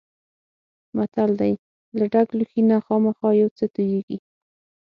متل دی: له ډک لوښي نه خامخا یو څه تویېږي.